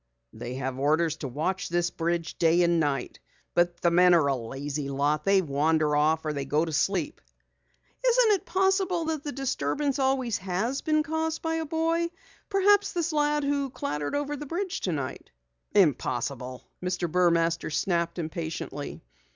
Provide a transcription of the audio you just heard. "They have orders to watch this bridge day and night. But the men are a lazy lot. They wander off or they go to sleep." "Isn't it possible that the disturbance always has been caused by a boy perhaps this lad who clattered over the bridge tonight?" "Impossible!" Mr. Burmaster snapped impatiently.